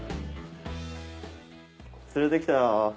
連れてきたよ。